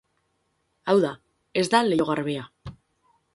Hau da, ez da leiho garbia.